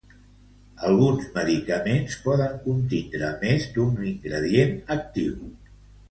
Alguns medicaments poden contindre més d'un ingredient actiu.